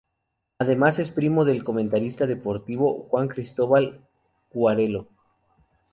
Además es primo del comentarista deportivo Juan Cristóbal Guarello.